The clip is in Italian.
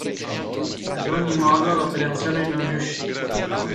Ad ogni modo l'operazione non riuscì.